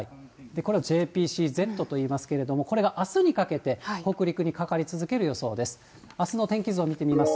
これをＪＰＣＺといいますけれども、これがあすにかけて、北陸にかかり続ける予想です。